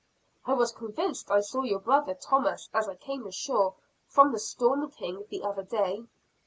"I was convinced I saw your brother Thomas as I came ashore from the Storm King the other day."